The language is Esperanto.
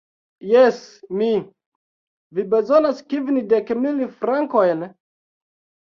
Jes, mi! Vi bezonas kvindek mil frankojn?